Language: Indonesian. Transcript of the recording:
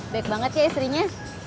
baik banget ya es rinya